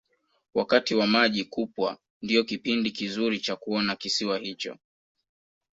wakati wa maji kupwa ndiyo kipindi kizuri cha kuona kisiwa hicho